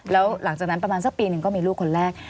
แล้วหลังจากนั้นประมาณสักปีหนึ่งก็มีลูกคนแรก